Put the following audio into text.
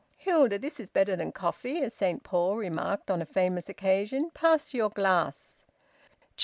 Hilda, this is better than coffee, as Saint Paul remarked on a famous occasion. Pass your glass."